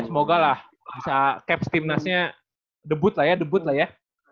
semoga lah bisa cap tim nasionalnya debut lah ya